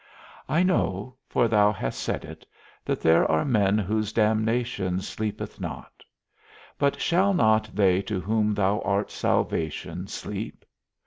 I know (for thou hast said it) that there are men whose damnation sleepeth not; but shall not they to whom thou art salvation sleep?